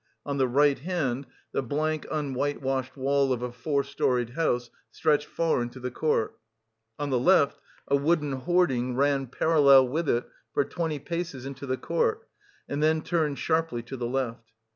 On the right hand, the blank unwhitewashed wall of a four storied house stretched far into the court; on the left, a wooden hoarding ran parallel with it for twenty paces into the court, and then turned sharply to the left.